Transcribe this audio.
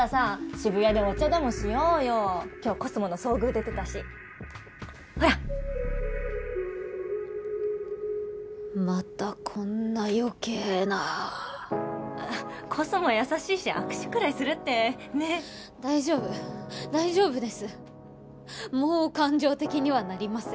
渋谷でお茶でもしようよ今日コスモの遭遇出てたしほらまたこんなよけいなコスモ優しいし握手くらいするってねっ大丈夫大丈夫ですもう感情的にはなりません